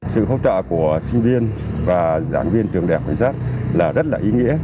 tất cả của sinh viên và giảng viên trường đại học cảnh sát là rất là ý nghĩa